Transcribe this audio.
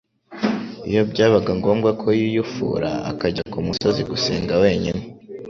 Iyo byabaga ngombwa ko yiyufura, akajya ku musozi gusenga wenyine,